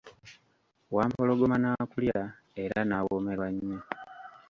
Wampologoma nakulya era nawomerwa nnyo.